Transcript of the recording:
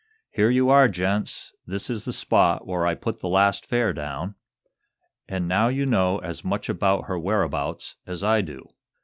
"Here you are, young gents. This is the spot where I put the last fare down. An' now you know as much about her whereabouts as I do."